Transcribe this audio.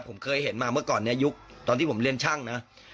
ผมเคยเห็นมาเมื่อก่อนเนี่ยยุคตอนที่ผมเรียนช่างนะ